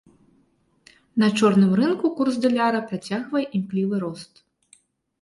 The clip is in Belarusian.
На чорным рынку курс даляра працягвае імклівы рост.